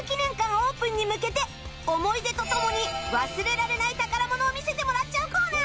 オープンに向けて思い出と共に忘れられない宝物を見せてもらっちゃうコーナー